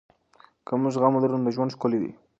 که موږ زغم ولرو نو ژوند ښکلی دی.